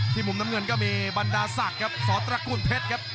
ที่มุมน้ำเงินก็มีบานดัซซักนะครับสอดตระกูลเพชรครับ